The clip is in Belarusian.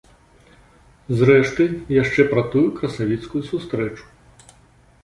Зрэшты, яшчэ пра тую красавіцкую сустрэчу.